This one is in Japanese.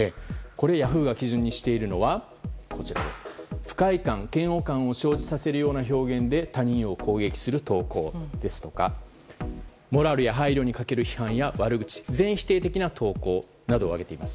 ヤフーが基準にしているのは不快感、嫌悪感を生じさせるような表現で他人を攻撃する投稿ですとかモラルや配慮に欠ける批判や悪口、全否定的な投稿を挙げています。